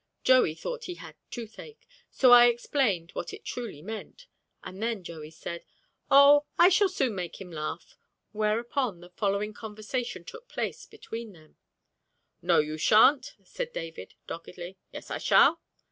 Joey thought he had toothache, so I explained what it really meant, and then Joey said, "Oh, I shall soon make him laugh," whereupon the following conversation took place between them: "No, you sha'n't," said David doggedly. "Yes, I shall."